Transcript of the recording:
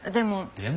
「でも」？